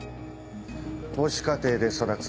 母子家庭で育つ。